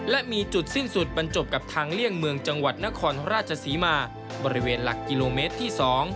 และมีจุดสิ้นสุดบรรจบกับทางเลี่ยงเมืองจังหวัดนครราชศรีมาบริเวณหลักกิโลเมตรที่๒